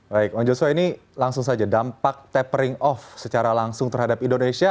baik bang joshua ini langsung saja dampak tapering off secara langsung terhadap indonesia